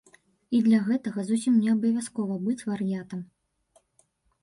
І для гэтага зусім неабавязкова быць вар'ятам.